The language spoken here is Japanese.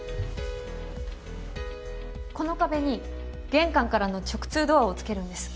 この壁に玄関からの直通ドアを付けるんです。